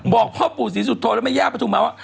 บอกพ่อปู่ศรีสุทธโรยะมะยาปาถุงมาว่า